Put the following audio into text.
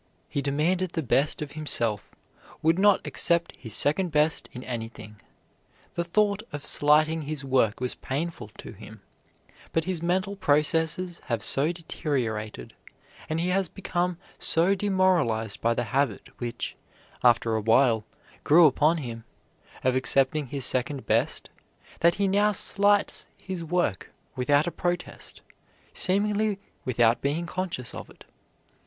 He demanded the best of himself would not accept his second best in anything. The thought of slighting his work was painful to him, but his mental processes have so deteriorated, and he has become so demoralized by the habit which, after a while, grew upon him, of accepting his second best, that he now slights his work without a protest, seemingly without being conscious of it.